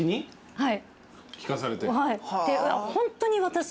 はい。